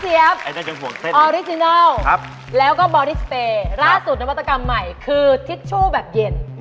พี่เจี๊ยบออริจินัลแล้วก็บอดี้สเปรย์ล่าสุดนวัตกรรมใหม่คือทิชชูแบบเย็น